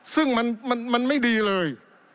ซึ่งมันไม่ดีเลย